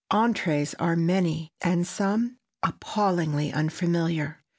Entrées are many, and some appallingly unfamiliar.